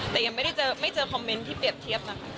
แต่ยังไม่ได้เจอคอมเมนต์ที่เปรียบเทียบนะคะ